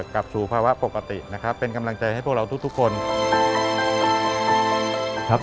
กลับสู่ภาวะปกติเป็นกำลังใจให้พวกเราทุกคน